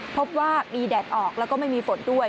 พบว่ามีแดดออกแล้วก็ไม่มีฝนด้วย